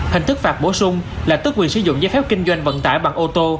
hình thức phạt bổ sung là tức quyền sử dụng giấy phép kinh doanh vận tải bằng ô tô